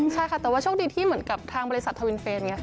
ใช่ค่ะแต่ว่าโชคดีที่เหมือนกับทางบริษัททวินเฟน